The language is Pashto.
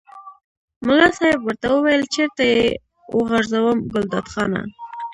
ملا صاحب ورته وویل چېرته یې وغورځوم ګلداد خانه.